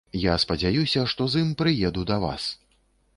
Я спадзяюся, што з ім прыеду да вас.